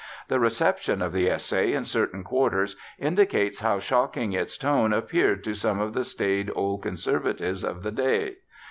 The reception of the essay in certain quarters indicates how shocking its tone appeared to some of the staid old conservatives of the day.